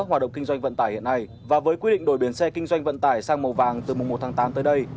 hoạt động kinh doanh vận tải hiện nay và với quy định đổi biển xe kinh doanh vận tải sang màu vàng từ mùa một tháng tám tới đây